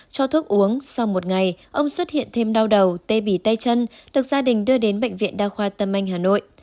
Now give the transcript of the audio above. cho thuốc uống sau một ngày ông xuất hiện thêm đau đầu tê bì tay chân được gia đình đưa đến bệnh viện đa khoa tâm anh hà nội